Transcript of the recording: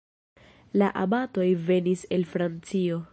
La abatoj venis el Francio.